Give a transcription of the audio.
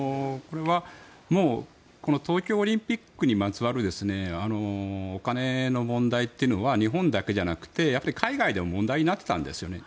東京オリンピックにまつわるお金の問題というのは日本だけじゃなくて海外でも問題になっていたんですね。